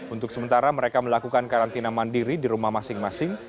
untuk sementara mereka melakukan karantina mandiri di rumah masing masing